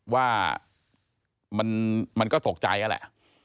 ว่ามันก็ตกใจอะแหละ